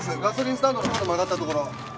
ガソリンスタンドの角曲がったところ。